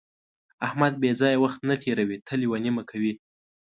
احمد بې ځایه وخت نه تېروي، تل یوه نیمه کوي.